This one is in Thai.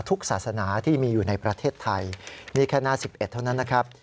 ศาสนาที่มีอยู่ในประเทศไทยนี่แค่หน้า๑๑เท่านั้นนะครับ